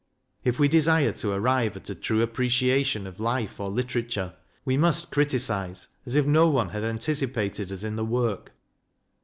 If we desire to arrive at a true appreciation of life or litera ture, we must criticize as if no one had anticipated us in the work.